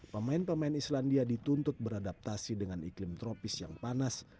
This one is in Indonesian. pemain pemain islandia dituntut beradaptasi dengan iklim tropis yang panas